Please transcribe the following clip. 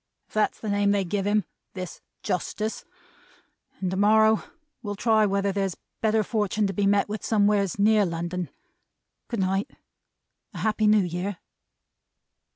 "If that's the name they give him. This Justice. And to morrow will try whether there's better fortun' to be met with somewheres near London. Goodnight. A Happy New Year!"